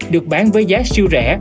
được bán với giá siêu rẻ